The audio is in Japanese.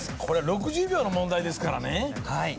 これ６０秒の問題ですからね？